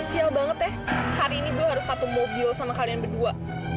spesial banget ya hari ini gue harus satu mobil sama kalian berdua